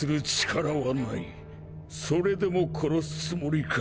それでも殺すつもりか？